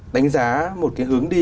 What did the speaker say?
đánh giá một cái hướng đi